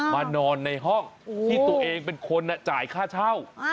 มานอนในห้องที่ตัวเองเป็นคนจ่ายค่าเช่า